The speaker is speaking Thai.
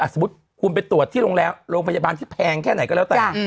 สมมุติคุณไปตรวจที่โรงพยาบาลที่แพงแค่ไหนก็แล้วแต่